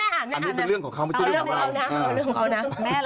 อันนี้มันเรื่องของเค้าหรอ